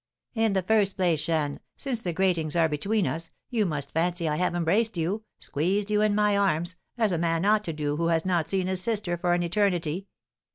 "In the first place, Jeanne, since the gratings are between us, you must fancy I have embraced you, squeezed you in my arms, as a man ought to do who has not seen his sister for an eternity.